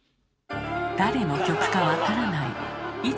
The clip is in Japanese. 誰の曲かわからない。